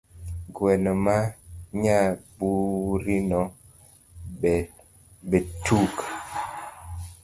Gweno ma nyaburino betook?